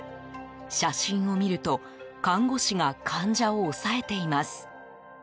写真を見ると看護師が患者を押さえています。